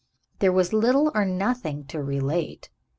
There was little or nothing to relate.